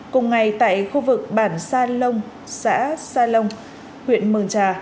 cùng ngày tại khu vực bản sa lông xã sa lông huyện mường trà